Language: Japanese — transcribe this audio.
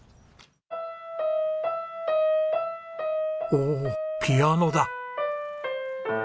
おおピアノだ。